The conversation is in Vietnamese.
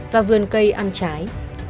và vườn cây ăn trái